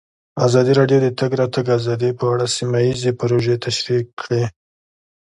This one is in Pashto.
ازادي راډیو د د تګ راتګ ازادي په اړه سیمه ییزې پروژې تشریح کړې.